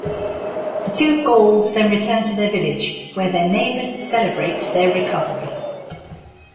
The two Gauls then return to their village, where their neighbors celebrate their recovery.